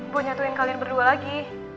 gue nyatuin kalian berdua lagi